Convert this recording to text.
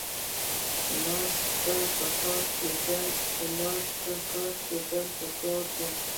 لاس په کار کیدل پکار دي